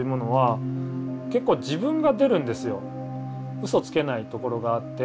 うそつけないところがあって。